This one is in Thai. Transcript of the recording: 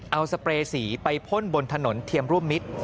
เอาสเปรย์สีไปพ่นบนถนนเทียมร่วมมิตร